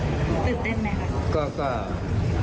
ตื่นเต้นไหมครับ